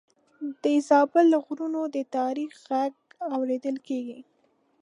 د زابل له غرونو د تاریخ غږ اورېدل کېږي.